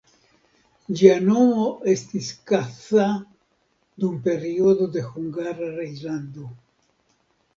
Ĝia nomo estis Kassa dum periodo de Hungara reĝlando.